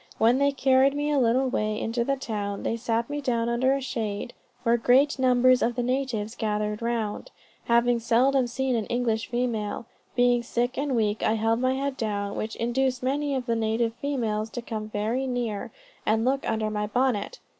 When they had carried me a little way into the town, they set me down under a shade, when great numbers of the natives gathered round, having seldom seen an English female. Being sick and weak, I held my head down, which induced many of the native females to come very near, and look under my bonnet.